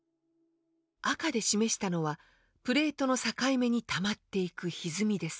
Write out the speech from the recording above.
赤で示したのはプレートの境目にたまっていくひずみです。